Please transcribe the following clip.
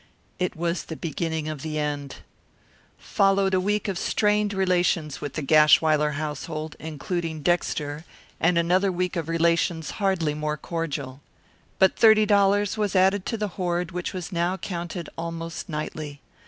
It was the beginning of the end. Followed a week of strained relations with the Gashwiler household, including Dexter, and another week of relations hardly more cordial. But thirty dollars was added to the hoard which was now counted almost nightly.